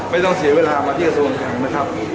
ไม่ต้องเสียเวลามาที่อาทิตย์หัวถังนะครับ